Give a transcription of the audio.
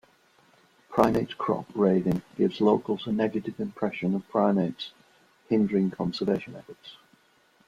Primate crop raiding gives locals a negative impression of primates, hindering conservation efforts.